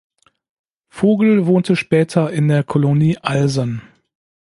Vogel wohnte später in der Colonie Alsen.